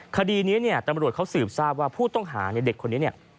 คดีนี้ตำรวจเขาสืบทราบว่าผู้ต้องหาในเด็กคนนี้